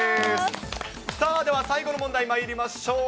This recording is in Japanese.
さあ、では最後の問題、まいりましょう。